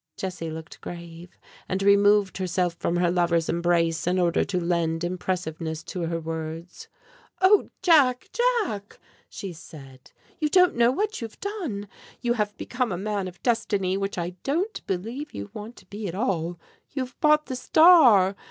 Jessie looked grave, and removed herself from her lover's embrace in order to lend impressiveness to her words. "Oh, Jack, Jack!" she said, "you don't know what you have done! You have become a man of Destiny, which I don't believe you want to be at all. You have bought the 'Star.'